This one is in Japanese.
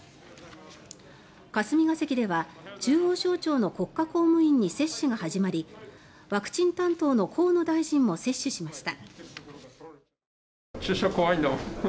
霞が関では中央省庁の国家公務員に接種が始まりワクチン担当の河野大臣も接種しました。